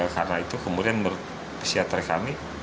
karena itu kemudian menurut pesiatri kami